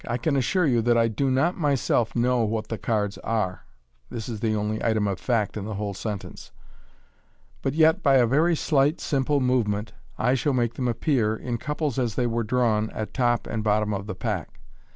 I can assure you that I do not myself know what the cards are " (this is the only item oifact in the whole sentence) j " but yet, by a very slight, simple movement, I shall make them appear, in couples as they were drawn, at top and bottom of the pack."